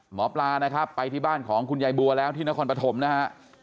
หมอปลานะครับไปที่บ้านของคุณยายบัวแล้วที่นครปฐมนะฮะ